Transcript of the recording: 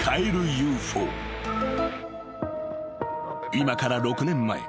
［今から６年前。